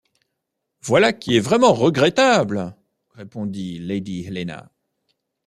Voilà qui est vraiment regrettable, répondit lady Helena.